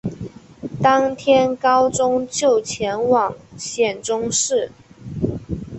当天高宗就前往显忠寺。